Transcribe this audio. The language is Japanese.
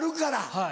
はい。